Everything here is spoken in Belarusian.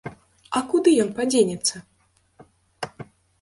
А куды ён падзенецца!